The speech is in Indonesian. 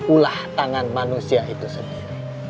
ulah tangan manusia itu sendiri